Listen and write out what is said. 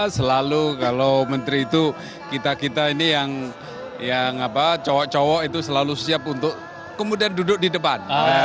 selalu kalau menteri itu kita kita ini yang cowok cowok itu selalu siap untuk kemudian duduk di depan